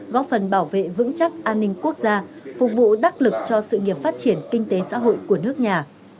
góp phần bảo vệ vững chắc an ninh quốc gia phục vụ đắc lực cho sự nghiệp phát triển kinh tế xã hội của nước nhà